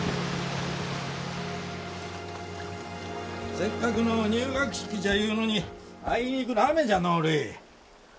せっかくの入学式じゃいうのにあいにくの雨じゃのうるい。